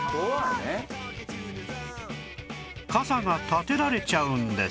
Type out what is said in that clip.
傘が立てられちゃうんです